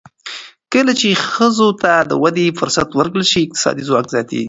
کله چې ښځو ته د ودې فرصت ورکړل شي، اقتصادي ځواک زیاتېږي.